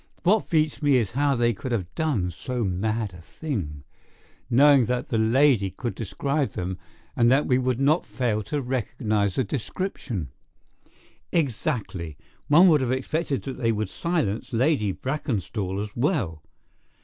What beats me is how they could have done so mad a thing, knowing that the lady could describe them and that we could not fail to recognize the description." "Exactly. One would have expected that they would silence Lady Brackenstall as well."